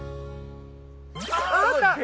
あった！